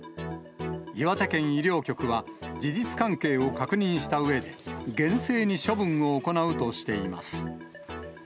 岩手県医療局は、事実関係を確認したうえで、厳正に処分を行うとしています。